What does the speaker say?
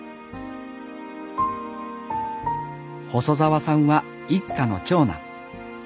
細澤さんは一家の長男。